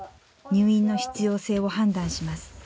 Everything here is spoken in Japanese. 入院の必要性を判断します。